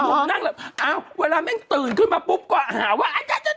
หนุนนั่งหลับวันแม่งตื่นขึ้นมาปุ๊บกว่าหาว่า